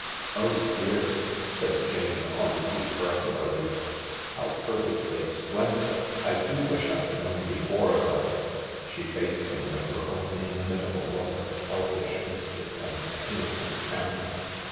" Oh dear I " said Jane, on a deep breath of relief. " How perfectly splendid ! I do wish I'd known before, though." She faced him with her own inimitable look of elfish mischief and innocent candour.